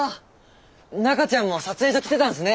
中ちゃんも撮影所来てたんすね。